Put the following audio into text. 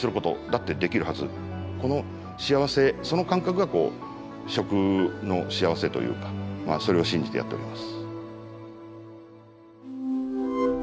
この幸せその感覚が食の幸せというかそれを信じてやっております。